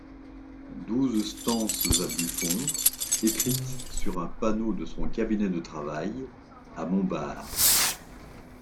douzeº Stances à Buffon, écrites sur un panneau de son cabinet de travail, à Montbard.